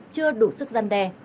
chưa đủ sức gian đe